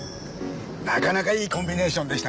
なかなかいいコンビネーションでしたね。